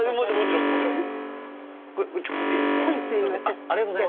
直接いいですか？